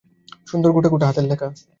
সুন্দর গোটা গোটা হাতের লেখা।